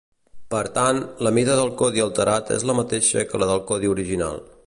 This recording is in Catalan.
Per tant, la mida del codi alterat és la mateixa que la del codi original.